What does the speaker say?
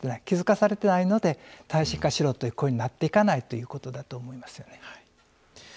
気付かされてないので耐震化しろという声になっていかないということだと思いますよね。